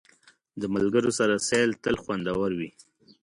د ملګرو سره سیل تل خوندور وي.